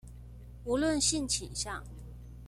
無論性傾向